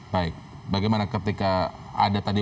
baik bagaimana ketika ada tadi